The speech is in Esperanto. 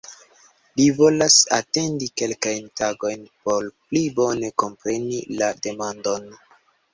Li volas atendi kelkajn tagojn por "pli bone kompreni la demandon".